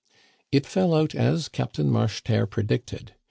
It fell out as Captain Marcheterre predicted.